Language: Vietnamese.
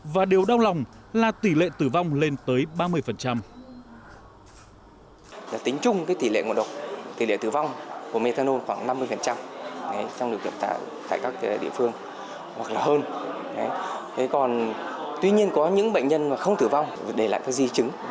và điều đau lòng là tỷ lệ tử vong lên tới ba mươi